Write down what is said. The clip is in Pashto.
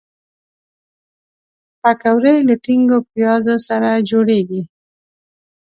پکورې له ټینګو پیازو سره جوړیږي